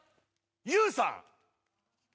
ＹＯＵさん！